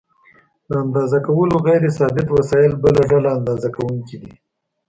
د اندازه کولو غیر ثابت وسایل بله ډله اندازه کوونکي دي.